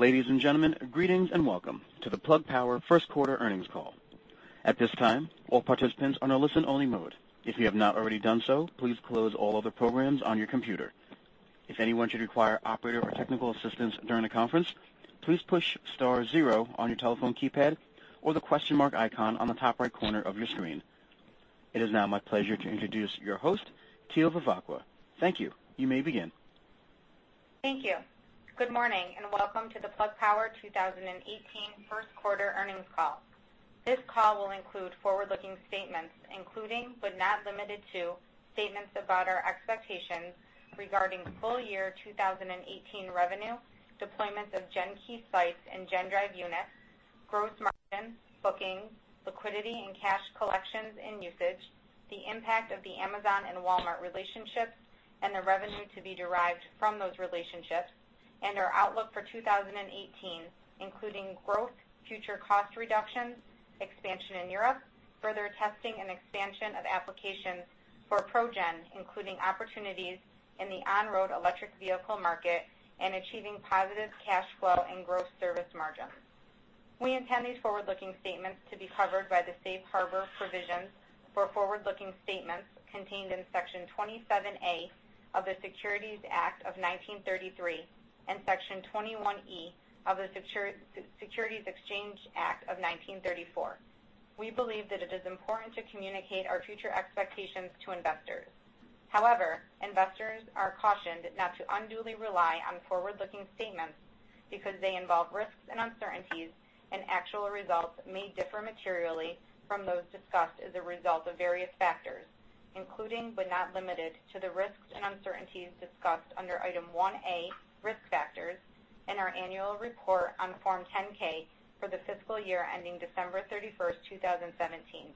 Ladies and gentlemen, greetings and welcome to the Plug Power first quarter earnings call. At this time, all participants are in a listen only mode. If you have not already done so, please close all other programs on your computer. If anyone should require operator or technical assistance during the conference, please push star zero on your telephone keypad, or the question mark icon on the top right corner of your screen. It is now my pleasure to introduce your host, Teal Vivacqua. Thank you. You may begin. Thank you. Good morning, and welcome to the Plug Power 2018 first quarter earnings call. This call will include forward-looking statements, including, but not limited to, statements about our expectations regarding full year 2018 revenue, deployments of GenKey sites and GenDrive units, gross margin, bookings, liquidity and cash collections and usage, the impact of the Amazon and Walmart relationships, and the revenue to be derived from those relationships, and our outlook for 2018, including growth, future cost reductions, expansion in Europe, further testing and expansion of applications for ProGen, including opportunities in the on-road electric vehicle market and achieving positive cash flow and gross service margins. We intend these forward-looking statements to be covered by the safe harbor provisions for forward-looking statements contained in Section 27A of the Securities Act of 1933 and Section 21E of the Securities Exchange Act of 1934. We believe that it is important to communicate our future expectations to investors. However, investors are cautioned not to unduly rely on forward-looking statements because they involve risks and uncertainties, and actual results may differ materially from those discussed as a result of various factors, including but not limited to, the risks and uncertainties discussed under Item 1A, Risk Factors, in our annual report on Form 10-K for the fiscal year ending December 31st, 2017,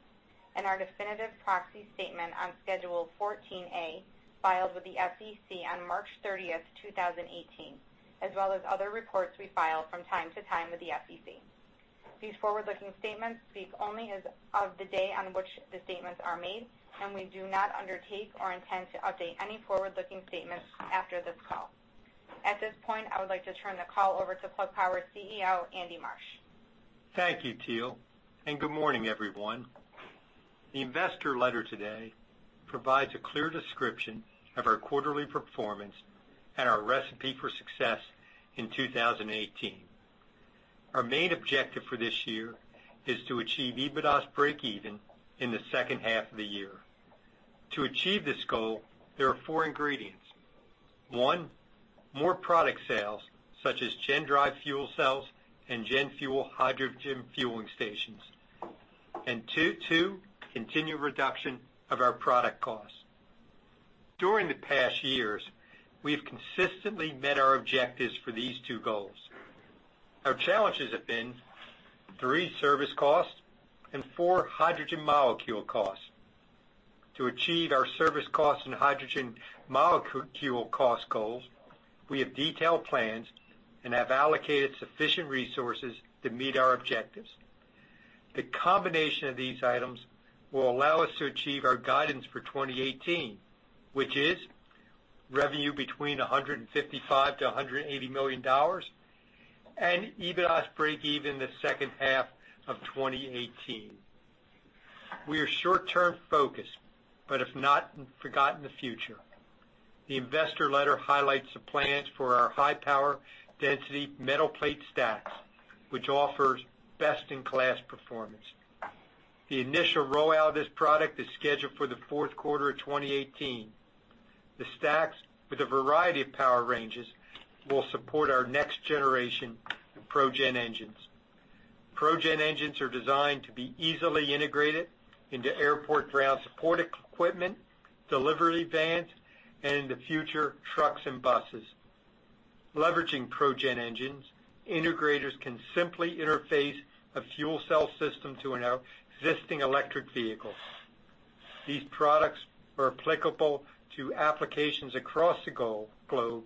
and our definitive proxy statement on Schedule 14A, filed with the SEC on March 30th, 2018, as well as other reports we file from time to time with the SEC. These forward-looking statements speak only as of the day on which the statements are made, and we do not undertake or intend to update any forward-looking statements after this call. At this point, I would like to turn the call over to Plug Power CEO, Andy Marsh. Thank you, Teal, and good morning, everyone. The investor letter today provides a clear description of our quarterly performance and our recipe for success in 2018. Our main objective for this year is to achieve EBITDAS breakeven in the second half of the year. To achieve this goal, there are four ingredients. One, more product sales, such as GenDrive fuel cells and GenFuel hydrogen fueling stations. Two, continue reduction of our product costs. During the past years, we have consistently met our objectives for these two goals. Our challenges have been, three, service costs, and four, hydrogen molecule costs. To achieve our service cost and hydrogen molecule cost goals, we have detailed plans and have allocated sufficient resources to meet our objectives. The combination of these items will allow us to achieve our guidance for 2018, which is revenue between $155 million-$180 million and EBITDAS breakeven the second half of 2018. We are short-term focused but have not forgotten the future. The investor letter highlights the plans for our high power density metal plate stacks, which offers best-in-class performance. The initial rollout of this product is scheduled for the fourth quarter of 2018. The stacks, with a variety of power ranges, will support our next generation of ProGen engines. ProGen engines are designed to be easily integrated into airport ground support equipment, delivery vans, and in the future, trucks and buses. Leveraging ProGen engines, integrators can simply interface a fuel cell system to an existing electric vehicle. These products are applicable to applications across the globe,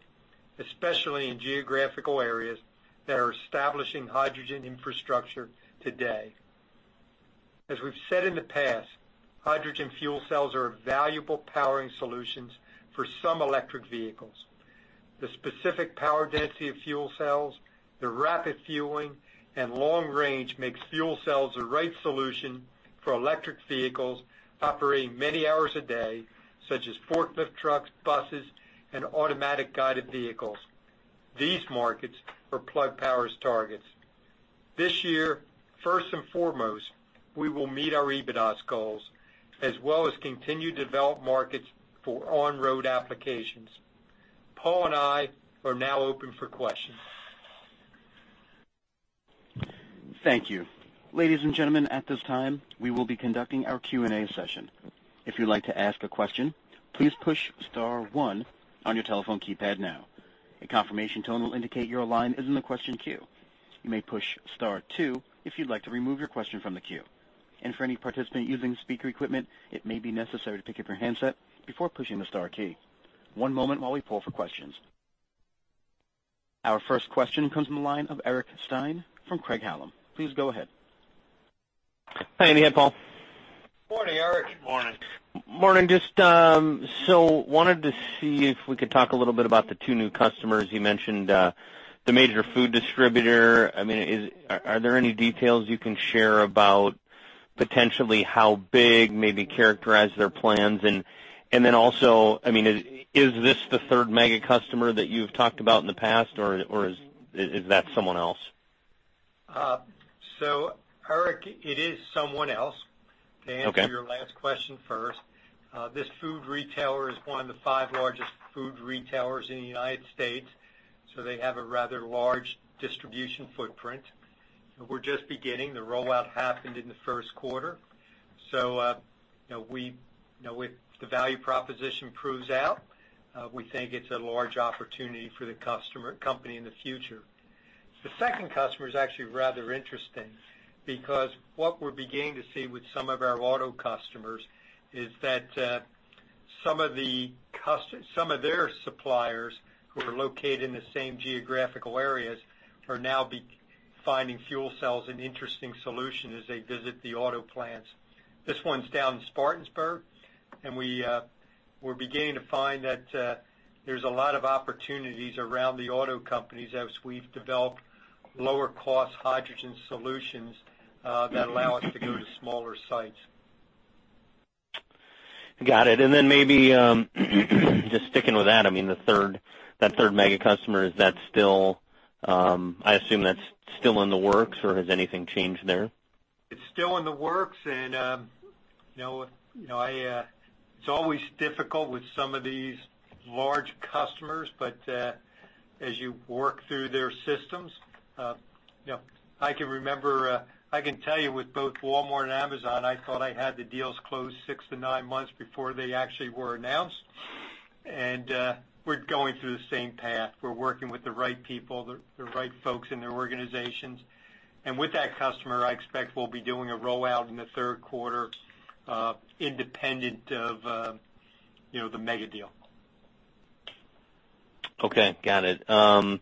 especially in geographical areas that are establishing hydrogen infrastructure today. As we've said in the past, hydrogen fuel cells are a valuable powering solutions for some electric vehicles. The specific power density of fuel cells, their rapid fueling, and long range makes fuel cells the right solution for electric vehicles operating many hours a day, such as forklift trucks, buses, and automatic guided vehicles. These markets are Plug Power's targets. This year, first and foremost, we will meet our EBITDAS goals, as well as continue to develop markets for on-road applications. Paul and I are now open for questions. Thank you. Ladies and gentlemen, at this time, we will be conducting our Q&A session. If you'd like to ask a question, please push star one on your telephone keypad now. A confirmation tone will indicate your line is in the question queue. You may push star two if you'd like to remove your question from the queue. For any participant using speaker equipment, it may be necessary to pick up your handset before pushing the star key. One moment while we poll for questions. Our first question comes from the line of Eric Stine from Craig-Hallum. Please go ahead. Hi, Andy and Paul Morning. Morning. Wanted to see if we could talk a little bit about the two new customers you mentioned, the major food distributor. Are there any details you can share about potentially how big, maybe characterize their plans? And then also, is this the third mega customer that you've talked about in the past, or is that someone else? Eric, it is someone else- Okay to answer your last question first. This food retailer is one of the five largest food retailers in the United States, so they have a rather large distribution footprint. We're just beginning. The rollout happened in the first quarter. If the value proposition proves out, we think it's a large opportunity for the company in the future. The second customer is actually rather interesting, because what we're beginning to see with some of our auto customers is that some of their suppliers who are located in the same geographical areas are now finding fuel cells an interesting solution as they visit the auto plants. This one's down in Spartanburg, and we're beginning to find that there's a lot of opportunities around the auto companies as we've developed lower cost hydrogen solutions that allow us to go to smaller sites. Got it. Maybe just sticking with that third mega customer, I assume that's still in the works, or has anything changed there? It's still in the works, and it's always difficult with some of these large customers, but as you work through their systems. I can tell you with both Walmart and Amazon, I thought I had the deals closed six to nine months before they actually were announced. We're going through the same path. We're working with the right people, the right folks in their organizations. With that customer, I expect we'll be doing a rollout in the third quarter, independent of the mega deal. Okay, got it.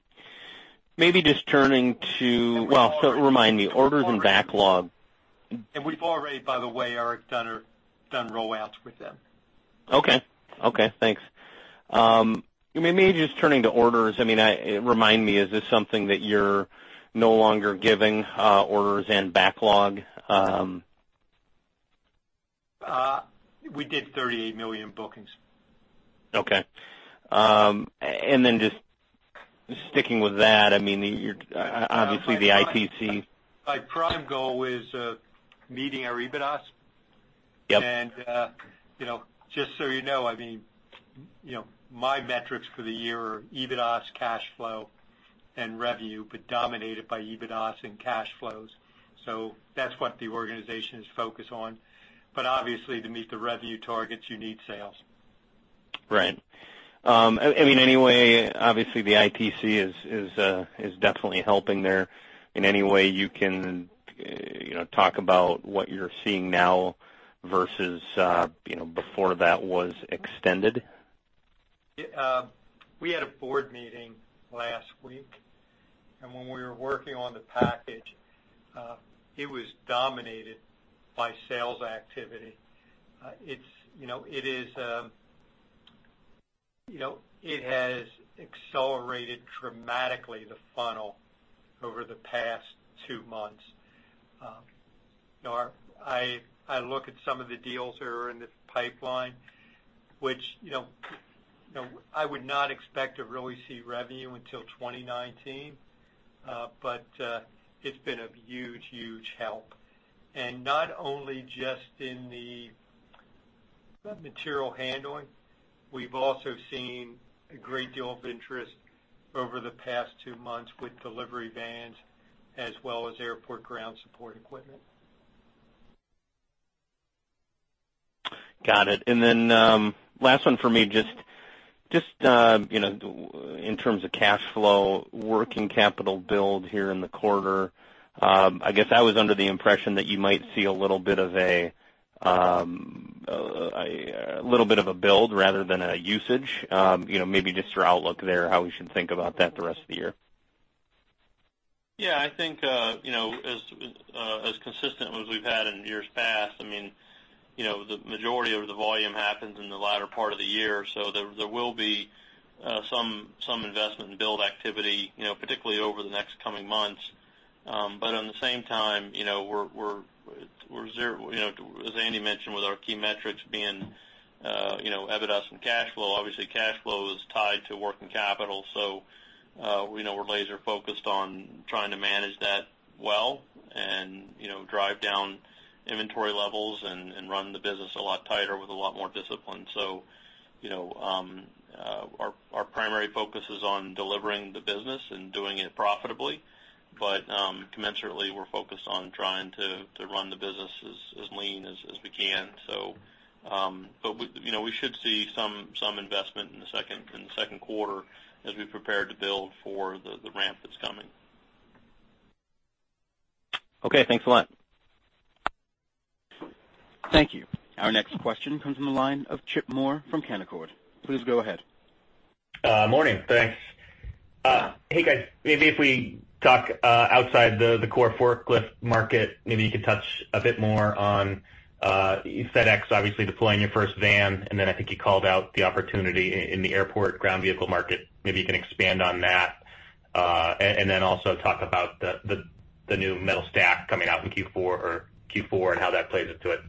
Maybe just turning to- We've already- Well, remind me, orders and backlog. We've already, by the way, Eric, done rollouts with them. Okay. Thanks. Maybe just turning to orders. Remind me, is this something that you're no longer giving, orders and backlog? We did $38 million bookings. Okay. Just sticking with that, obviously the ITC. My prime goal is meeting our EBITDA. Yep. Just so you know, my metrics for the year are EBITDA, cash flow, and revenue, but dominated by EBITDA and cash flows. That's what the organization is focused on. Obviously to meet the revenue targets, you need sales. Right. Anyway, obviously the ITC is definitely helping there in any way you can, talk about what you're seeing now versus before that was extended. We had a board meeting last week, when we were working on the package, it was dominated by sales activity. It has accelerated dramatically the funnel over the past two months. I look at some of the deals that are in the pipeline, which I would not expect to really see revenue until 2019. It's been a huge help. Not only just in the material handling, we've also seen a great deal of interest over the past two months with delivery vans as well as airport ground support equipment. Got it. Last one for me, just in terms of cash flow, working capital build here in the quarter. I guess I was under the impression that you might see a little bit of a build rather than a usage. Maybe just your outlook there, how we should think about that the rest of the year. I think, as consistent with what we've had in years past, the majority of the volume happens in the latter part of the year. There will be some investment and build activity, particularly over the next coming months. At the same time, as Andy mentioned, with our key metrics being EBITDA and cash flow, obviously cash flow is tied to working capital. We're laser focused on trying to manage that well and drive down inventory levels and run the business a lot tighter with a lot more discipline. Our primary focus is on delivering the business and doing it profitably. Commensurately, we're focused on trying to run the business as lean as we can. We should see some investment in the second quarter as we prepare to build for the ramp that's coming. Okay. Thanks a lot. Thank you. Our next question comes from the line of Chip Moore from Canaccord. Please go ahead. Morning. Thanks. Hey guys, maybe if we talk outside the core forklift market, maybe you could touch a bit more on FedEx, obviously deploying your first van, and then I think you called out the opportunity in the airport ground vehicle market. Maybe you can expand on that, and then also talk about the new metal stack coming out in Q4 and how that plays into it.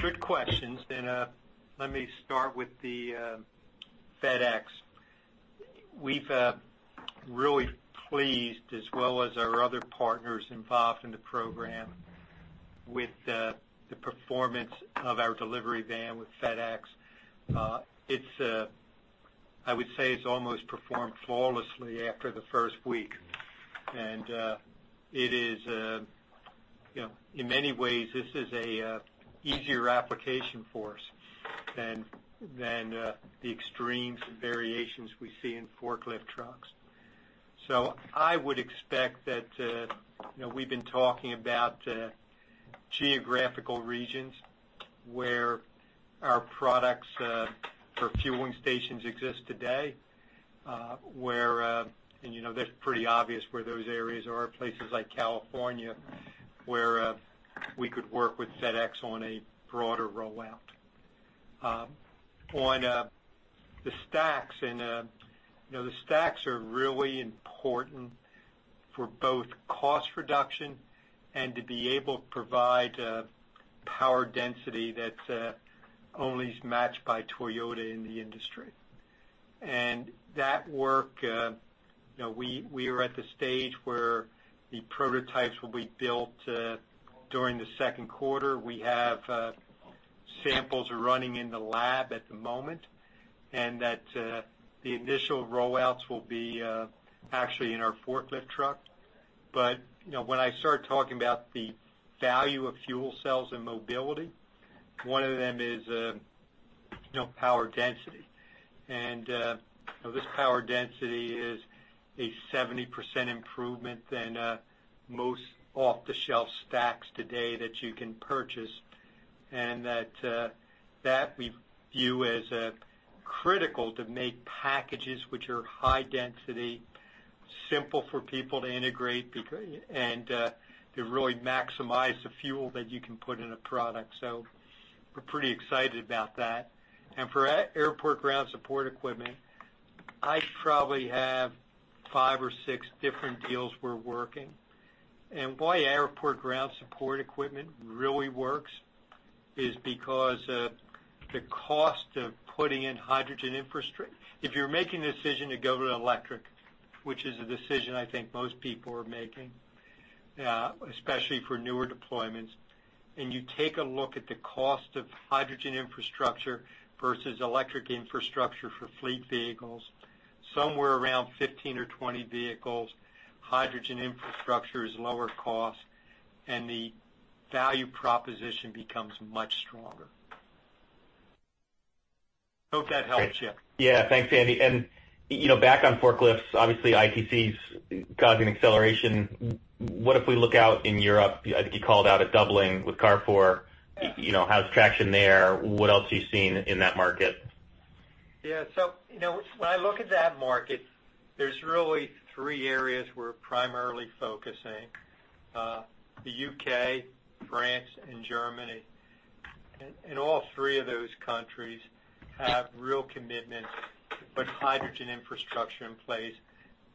Good questions. Let me start with the FedEx. We're really pleased, as well as our other partners involved in the program, with the performance of our delivery van with FedEx. I would say it's almost performed flawlessly after the first week. In many ways, this is an easier application for us than the extremes and variations we see in forklift trucks. I would expect that, we've been talking about geographical regions where our products for fueling stations exist today, and that's pretty obvious where those areas are, places like California, where we could work with FedEx on a broader rollout. On the stacks, the stacks are really important for both cost reduction and to be able to provide power density that's only matched by Toyota in the industry. That work, we are at the stage where the prototypes will be built during the second quarter. We have samples running in the lab at the moment, that the initial roll-outs will be actually in our forklift truck. When I start talking about the value of fuel cells and mobility, one of them is power density. This power density is a 70% improvement than most off-the-shelf stacks today that you can purchase. That we view as critical to make packages which are high density, simple for people to integrate, and to really maximize the fuel that you can put in a product. We're pretty excited about that. For airport ground support equipment, I probably have five or six different deals we're working. Why airport ground support equipment really works is because of the cost of putting in hydrogen infrastructure. If you're making the decision to go to electric, which is a decision I think most people are making, especially for newer deployments, you take a look at the cost of hydrogen infrastructure versus electric infrastructure for fleet vehicles, somewhere around 15 or 20 vehicles, hydrogen infrastructure is lower cost, the value proposition becomes much stronger. Hope that helps you. Yeah. Thanks, Andy. Back on forklifts, obviously ITC's causing acceleration. What if we look out in Europe? I think you called out a doubling with Carrefour. Yeah. How's traction there? What else are you seeing in that market? Yeah. When I look at that market, there's really three areas we're primarily focusing: the U.K., France, and Germany. All three of those countries have real commitment to put hydrogen infrastructure in place,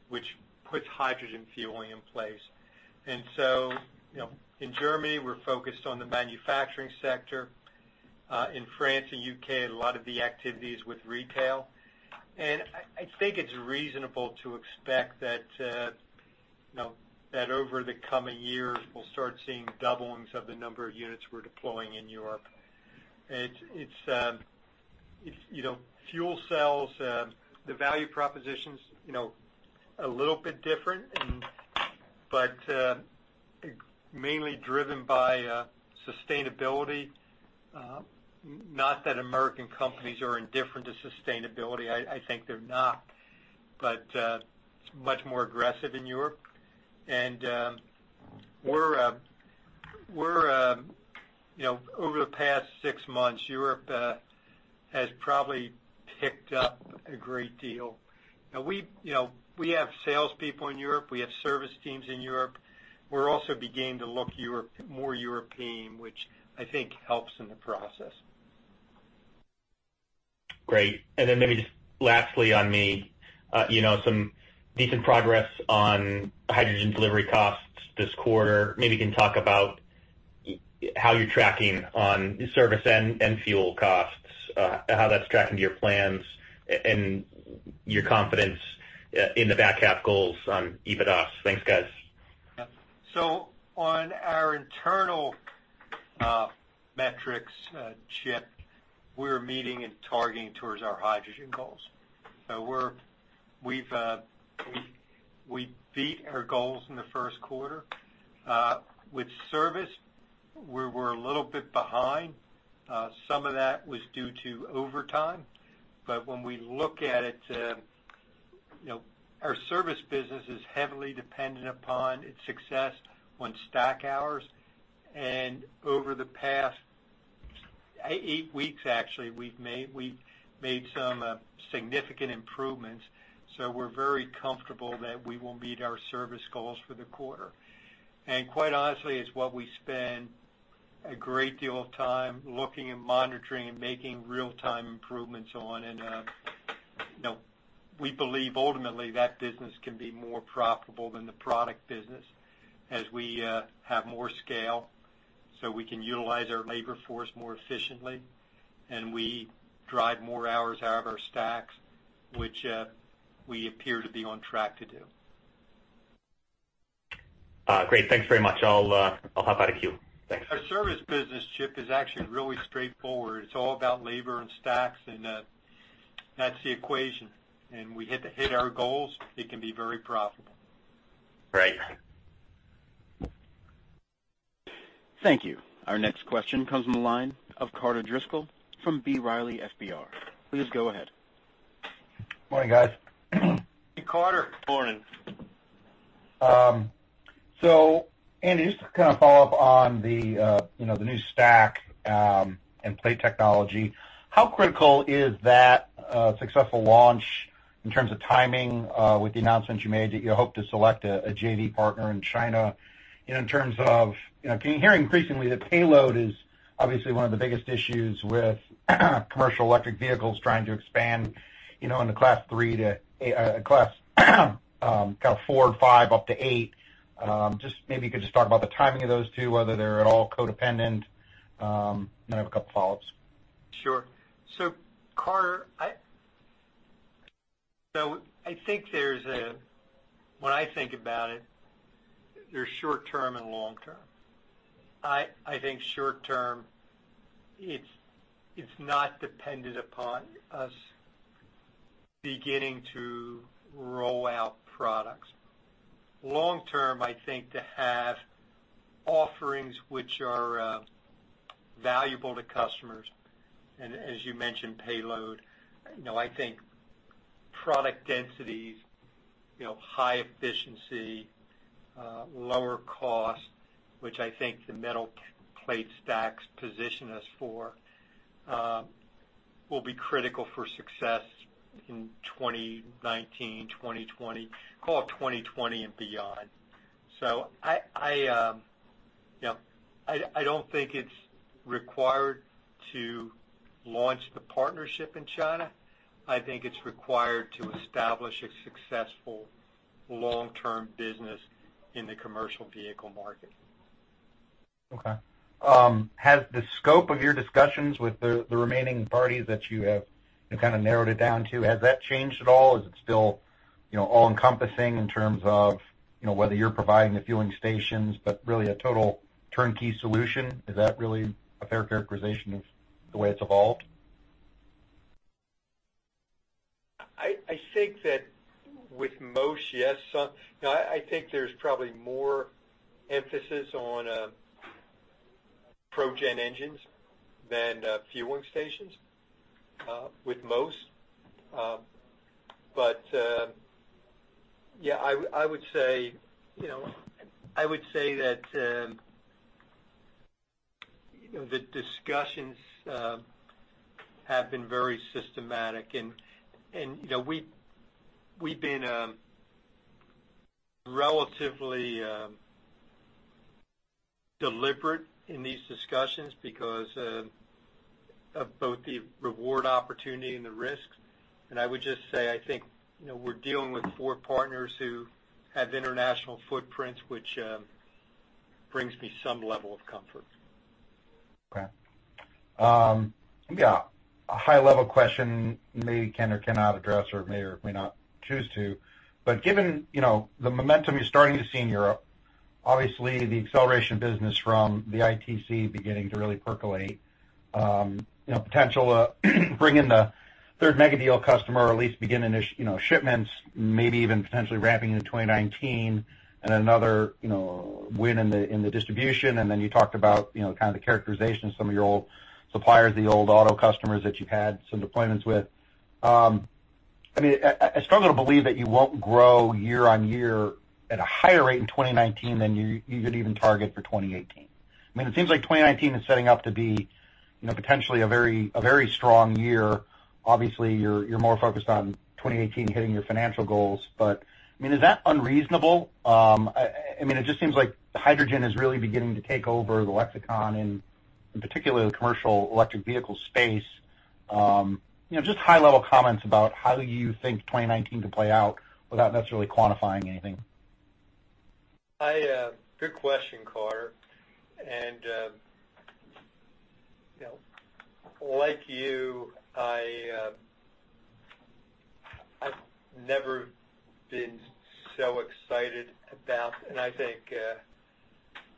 which puts hydrogen fueling in place. In Germany, we're focused on the manufacturing sector. In France and U.K., a lot of the activity is with retail. I think it's reasonable to expect that over the coming years, we'll start seeing doublings of the number of units we're deploying in Europe. Fuel cells, the value proposition's a little bit different but mainly driven by sustainability. Not that American companies are indifferent to sustainability, I think they're not, but much more aggressive in Europe. Over the past six months, Europe has probably picked up a great deal. We have salespeople in Europe. We have service teams in Europe. We're also beginning to look more European, which I think helps in the process. Great. Then maybe just lastly on me, some decent progress on hydrogen delivery costs this quarter. Maybe you can talk about how you're tracking on service and fuel costs, how that's tracking to your plans and your confidence in the back half goals on EBITDA. Thanks, guys. On our internal metrics, Chip, we're meeting and targeting towards our hydrogen goals. We beat our goals in the first quarter. With service, we were a little bit behind. Some of that was due to overtime. When we look at it, our service business is heavily dependent upon its success on stack hours. Over the past eight weeks, actually, we've made some significant improvements. We're very comfortable that we will meet our service goals for the quarter. Quite honestly, it's what we spend a great deal of time looking and monitoring and making real-time improvements on. We believe ultimately that business can be more profitable than the product business as we have more scale, so we can utilize our labor force more efficiently, and we drive more hours out of our stacks, which we appear to be on track to do. Great. Thanks very much. I'll hop out of queue. Thanks. Our service business, Chip, is actually really straightforward. It's all about labor and stacks, that's the equation. We had to hit our goals. It can be very profitable. Great. Thank you. Our next question comes on the line of Carter Driscoll from B. Riley FBR. Please go ahead. Morning, guys. Hey, Carter. Morning. Andy, just to follow up on the new stack and plate technology, how critical is that successful launch in terms of timing with the announcements you made that you hope to select a JV partner in China? In terms of, hearing increasingly the payload is obviously one of the biggest issues with commercial electric vehicles trying to expand in the class 3 to class 4 or 5 up to 8. Just maybe you could just talk about the timing of those two, whether they're at all codependent, and then I have a couple of follow-ups. Sure. Carter, I think when I think about it, there's short-term and long-term. I think short-term, it's not dependent upon us beginning to roll out products. Long-term, I think to have offerings which are valuable to customers, and as you mentioned, payload, I think product densities, high efficiency, lower cost, which I think the metal plate stacks position us for, will be critical for success in 2019, 2020, call it 2020 and beyond. I don't think it's required to launch the partnership in China. I think it's required to establish a successful long-term business in the commercial vehicle market. Okay. Has the scope of your discussions with the remaining parties that you have kind of narrowed it down to, has that changed at all? Is it still all-encompassing in terms of whether you're providing the fueling stations, but really a total turnkey solution? Is that really a fair characterization of the way it's evolved? I think that with most, yes. I think there's probably more emphasis on ProGen engines than fueling stations with most. Yeah, I would say that the discussions have been very systematic, and we've been relatively deliberate in these discussions because of both the reward opportunity and the risks. I would just say, I think we're dealing with four partners who have international footprints, which brings me some level of comfort. Okay. A high-level question you maybe can or cannot address or may or may not choose to, but given the momentum you're starting to see in Europe, obviously the acceleration business from the ITC beginning to really percolate, potential to bring in the third mega deal customer, or at least beginning shipments, maybe even potentially wrapping into 2019 and another win in the distribution. Then you talked about the characterization of some of your old suppliers, the old auto customers that you had some deployments with. I struggle to believe that you won't grow year-over-year at a higher rate in 2019 than you even targeted for 2018. It seems like 2019 is setting up to be potentially a very strong year. Obviously, you're more focused on 2018 hitting your financial goals. Is that unreasonable? It just seems like hydrogen is really beginning to take over the lexicon, and in particular, the commercial electric vehicle space. Just high-level comments about how you think 2019 could play out without necessarily quantifying anything. Good question, Carter. Like you, I've never been so excited about, and I think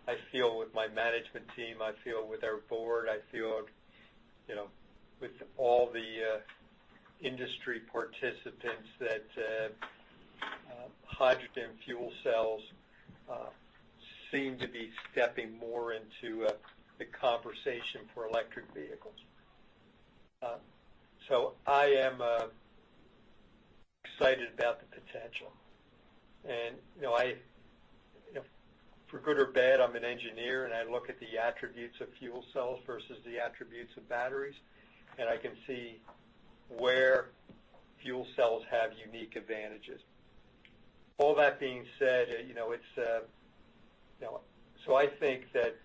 I feel with my management team, I feel with our board, I feel with all the industry participants that hydrogen fuel cells seem to be stepping more into the conversation for electric vehicles. I am excited about the potential. For good or bad, I'm an engineer, and I look at the attributes of fuel cells versus the attributes of batteries, and I can see where fuel cells have unique advantages. All that being said, I think that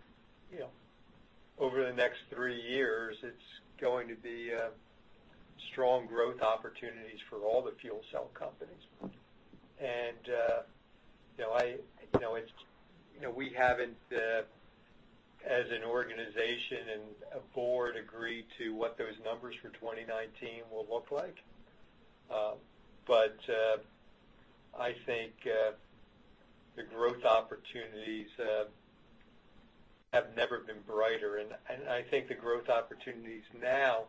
over the next three years, it's going to be strong growth opportunities for all the fuel cell companies. We haven't, as an organization and a board, agreed to what those numbers for 2019 will look like. I think the growth opportunities have never been brighter. I think the growth opportunities now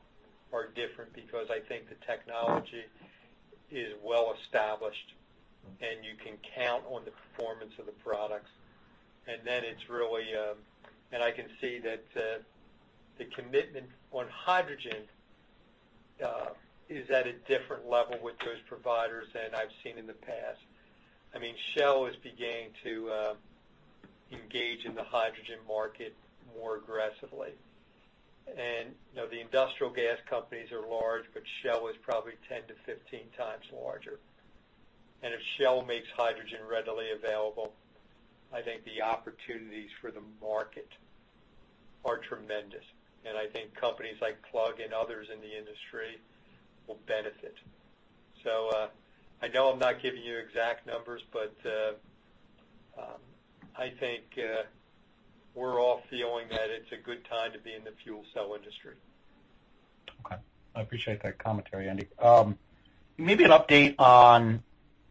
are different because I think the technology is well established, and you can count on the performance of the products. I can see that the commitment on hydrogen is at a different level with those providers than I've seen in the past. Shell is beginning to engage in the hydrogen market more aggressively. The industrial gas companies are large, but Shell is probably 10 to 15 times larger. If Shell makes hydrogen readily available, I think the opportunities for the market are tremendous, and I think companies like Plug and others in the industry will benefit. I know I'm not giving you exact numbers, but I think we're all feeling that it's a good time to be in the fuel cell industry. I appreciate that commentary, Andy. Maybe an update on,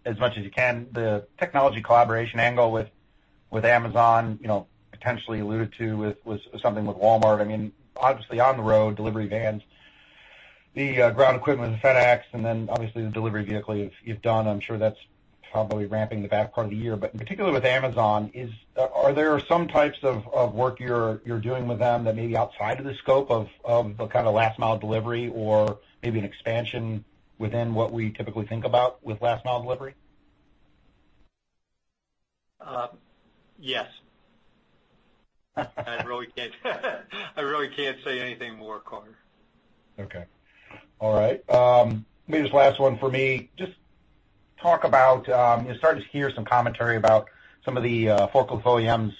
as much as you can, the technology collaboration angle with Amazon, potentially alluded to with something with Walmart. Obviously, on the road, delivery vans, the ground equipment with FedEx, and then obviously the delivery vehicle you've done, I am sure that is probably ramping in the back part of the year. In particular with Amazon, are there some types of work you are doing with them that may be outside of the scope of the kind of last-mile delivery or maybe an expansion within what we typically think about with last-mile delivery? Yes. I really cannot say anything more, Carter. Okay. All right. Maybe this last one for me, just talk about, you are starting to hear some commentary about some of the forklift OEMs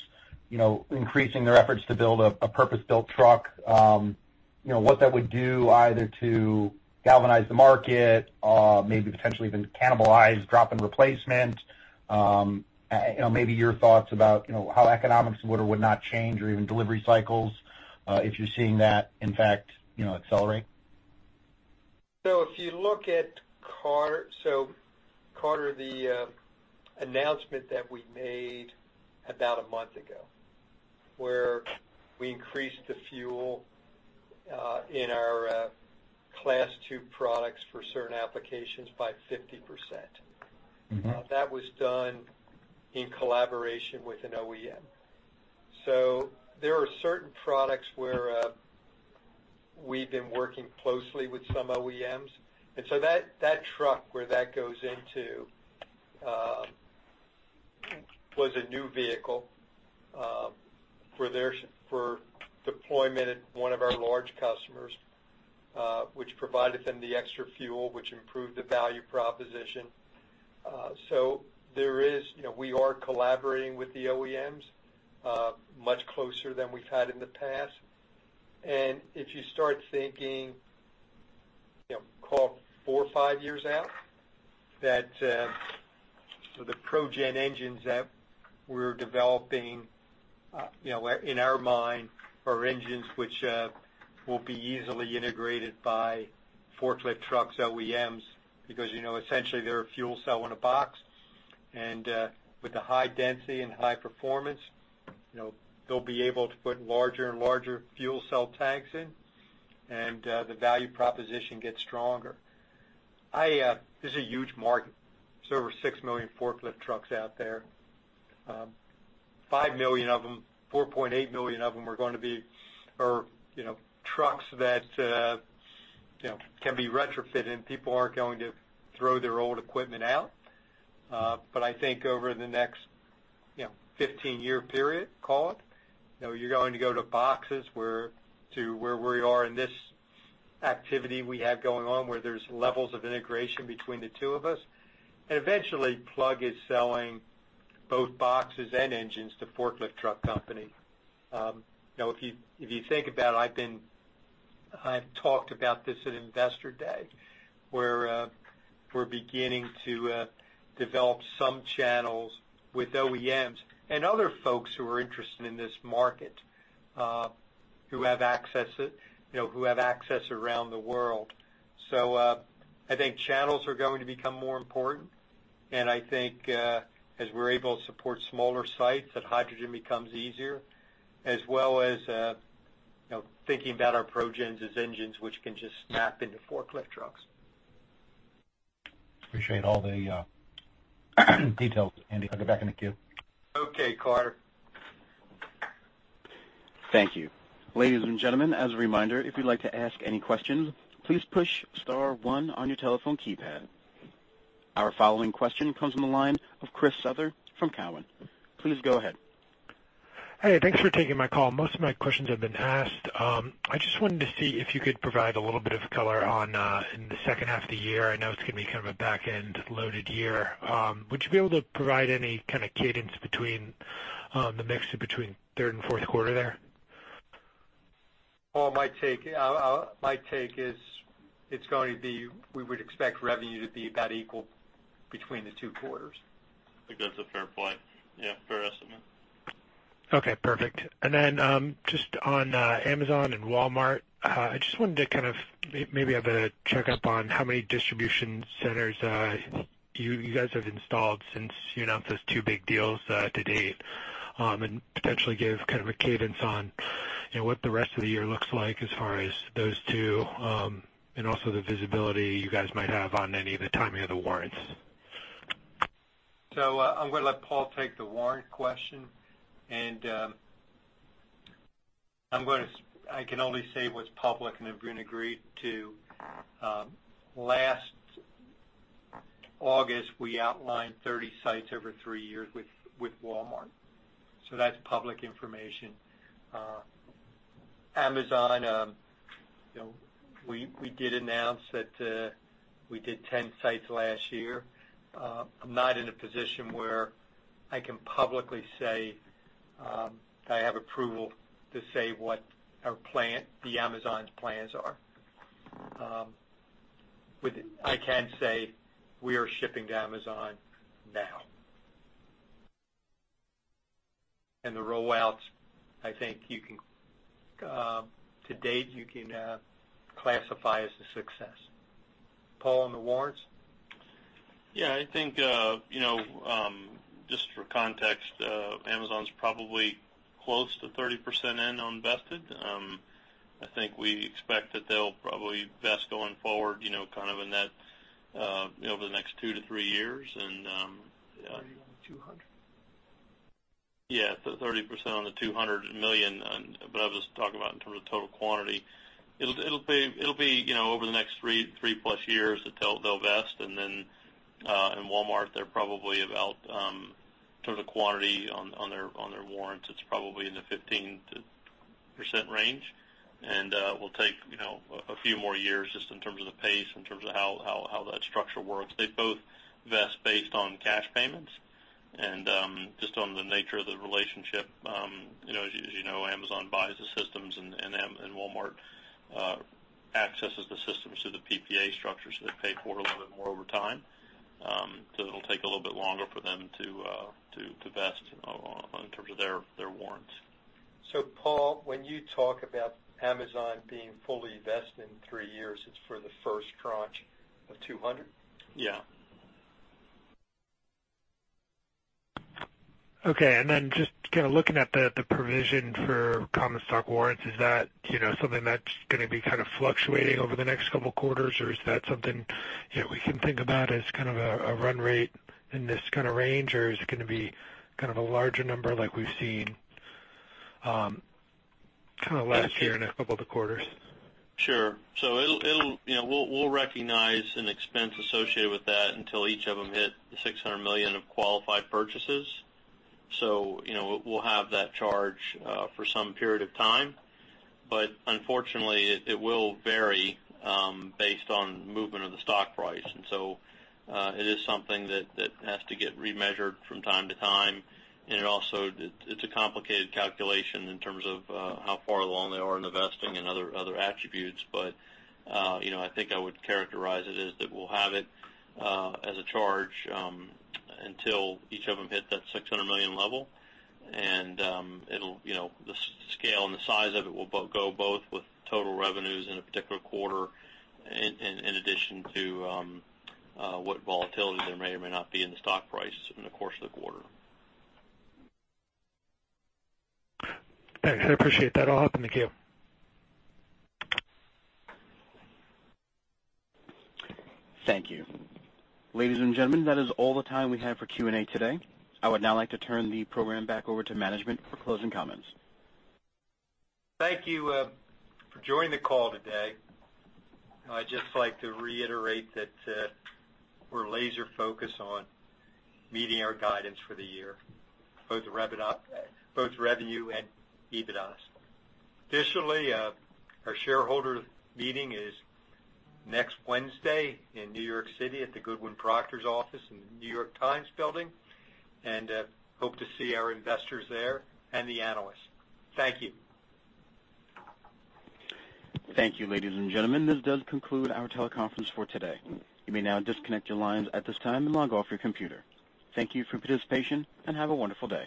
increasing their efforts to build a purpose-built truck. What that would do either to galvanize the market, maybe potentially even cannibalize drop-in replacement. Maybe your thoughts about how economics would or would not change or even delivery cycles, if you are seeing that in fact accelerate. If you look at, Carter, the announcement that we made about a month ago, where we increased the fuel in our Class 2 products for certain applications by 50%. That was done in collaboration with an OEM. There are certain products where we've been working closely with some OEMs. That truck, where that goes into, was a new vehicle for deployment at one of our large customers, which provided them the extra fuel, which improved the value proposition. We are collaborating with the OEMs much closer than we've had in the past. If you start thinking four or five years out, the ProGen engines that we're developing, in our mind, are engines which will be easily integrated by forklift trucks OEMs, because essentially they're a fuel cell in a box. With the high density and high performance, they'll be able to put larger and larger fuel cell tanks in, and the value proposition gets stronger. This is a huge market. There's over 6 million forklift trucks out there. 5 million of them, 4.8 million of them are going to be trucks that can be retrofitted, and people aren't going to throw their old equipment out. I think over the next 15-year period, call it, you're going to go to boxes where to where we are in this activity we have going on, where there's levels of integration between the two of us. Eventually, Plug is selling both boxes and engines to forklift truck company. If you think about it, I've talked about this at Investor Day, where we're beginning to develop some channels with OEMs and other folks who are interested in this market who have access around the world. I think channels are going to become more important, and I think as we're able to support smaller sites, that hydrogen becomes easier, as well as thinking about our ProGen as engines which can just snap into forklift trucks. Appreciate all the details, Andy. I'll get back in the queue. Okay, Carter. Thank you. Ladies and gentlemen, as a reminder, if you'd like to ask any questions, please push star one on your telephone keypad. Our following question comes from the line of Christopher Souther from Cowen. Please go ahead. Hey, thanks for taking my call. Most of my questions have been asked. I just wanted to see if you could provide a little bit of color on, in the second half of the year. I know it's going to be kind of a back-end loaded year. Would you be able to provide any kind of cadence between the mixture between third and fourth quarter there? Paul, my take is we would expect revenue to be about equal between the two quarters. I think that's a fair point. Yeah, fair estimate. Okay, perfect. Just on Amazon and Walmart, I just wanted to kind of maybe have a checkup on how many distribution centers you guys have installed since you announced those two big deals to date. Potentially give kind of a cadence on what the rest of the year looks like as far as those two, and also the visibility you guys might have on any of the timing of the warrants. I'm going to let Paul take the warrant question, and I can only say what's public and have been agreed to. Last August, we outlined 30 sites over three years with Walmart. That's public information. Amazon, we did announce that we did 10 sites last year. I'm not in a position where I can publicly say I have approval to say what the Amazon plans are. I can say we are shipping to Amazon now. The roll-outs, I think to date, you can classify as a success. Paul, on the warrants? Yeah, I think, just for context, Amazon's probably close to 30% in on vested. I think we expect that they'll probably vest going forward, kind of in that over the next two to three years. 30% on the $200 million. Yeah. 30% on the $200 million. I was talking about in terms of total quantity. It'll be over the next three plus years until they'll vest. In Walmart, they're probably about, in terms of quantity on their warrants, it's probably in the 15% range. Will take a few more years just in terms of the pace, in terms of how that structure works. They both vest based on cash payments and just on the nature of the relationship. As you know, Amazon buys the systems, and Walmart accesses the systems through the PPA structure, so they pay for it a little bit more over time. It'll take a little bit longer for them to vest in terms of their warrants. Paul, when you talk about Amazon being fully vested in three years, it's for the first tranche of $200 million? Yeah. Okay, just kind of looking at the provision for common stock warrants, is that something that's gonna be kind of fluctuating over the next couple of quarters, or is that something that we can think about as kind of a run rate in this kind of range, or is it gonna be kind of a larger number like we've seen kind of last year and a couple of quarters? We'll recognize an expense associated with that until each of them hit the $600 million of qualified purchases. We'll have that charge for some period of time. Unfortunately, it will vary based on movement of the stock price. It is something that has to get remeasured from time to time. It also, it's a complicated calculation in terms of how far along they are in the vesting and other attributes. I think I would characterize it is that we'll have it as a charge until each of them hit that $600 million level, and the scale and the size of it will go both with total revenues in a particular quarter in addition to what volatility there may or may not be in the stock price in the course of the quarter. Okay. I appreciate that. I'll hop in the queue. Thank you. Ladies and gentlemen, that is all the time we have for Q&A today. I would now like to turn the program back over to management for closing comments. Thank you for joining the call today. I'd just like to reiterate that we're laser focused on meeting our guidance for the year, both revenue and EBITDA. Additionally, our shareholder meeting is next Wednesday in New York City at the Goodwin Procter's office in the New York Times building. Hope to see our investors there and the analysts. Thank you. Thank you, ladies and gentlemen. This does conclude our teleconference for today. You may now disconnect your lines at this time and log off your computer. Thank you for your participation, and have a wonderful day.